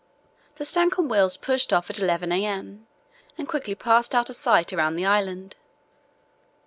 The Stancomb Wills pushed off at 11 a.m. and quickly passed out of sight around the island.